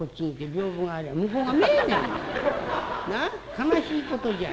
悲しいことじゃないか。